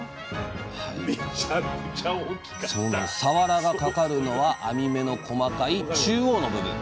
さわらが掛かるのは網目の細かい中央の部分。